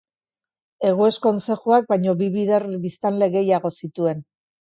Egues kontzejuak baino bi bider biztanle gehiago zituen.